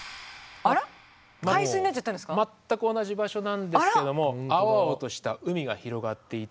全く同じ場所なんですけども青々とした海が広がっていて。